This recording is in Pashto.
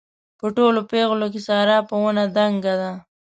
په ټولو پېغلو کې ساره په ونه دنګه ده.